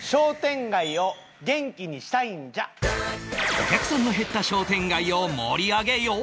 お客さんの減った商店街を盛り上げよう！